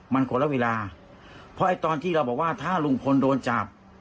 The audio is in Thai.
มันคนละเวลาเพราะไอ้ตอนที่เราบอกว่าถ้าลุงพลโดนจับ